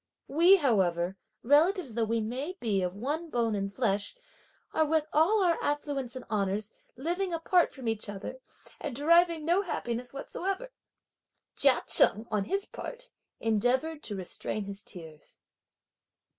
We, however, relatives though we now be of one bone and flesh, are, with all our affluence and honours, living apart from each other, and deriving no happiness whatsoever!" Chia Cheng, on his part endeavoured, to restrain his tears.